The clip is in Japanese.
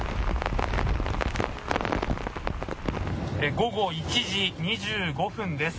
午後１時２５分です。